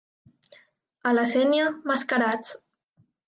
A la Sénia, mascarats.